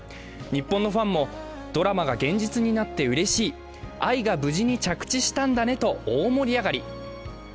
日本のファンも、ドラマが現実になってうれしい、愛が無事に着地したんだねと大盛り上がり。